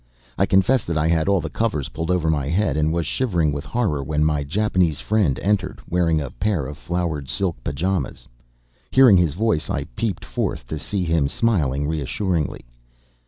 I confess that I had all the covers pulled over my head and was shivering with horror when my Japanese friend entered, wearing a pair of flowered silk pajamas. Hearing his voice, I peeped forth, to see him smiling reassuringly.